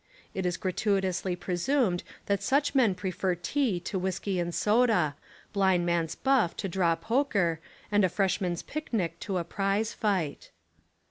It is gratuitously presumed that such men prefer tea to whiskey and soda, blind man's buff to draw poker, and a freshmen's picnic to a prize fight.